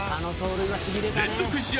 連続試合